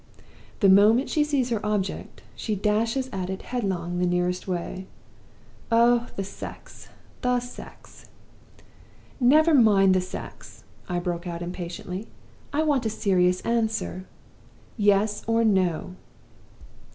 'The moment she sees her object, she dashes at it headlong the nearest way. Oh, the sex! the sex!' "'Never mind the sex!' I broke out, impatiently. 'I want a serious answer Yes or No?